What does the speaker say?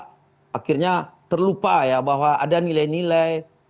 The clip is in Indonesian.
dan akhirnya terlupa ya bahwa ada nilai nilai